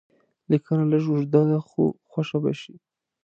لیکنه لږ اوږده ده خو خوښه به شي.